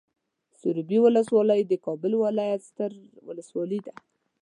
سروبي ولسوالۍ د کابل ولايت ستر ولسوالي ده.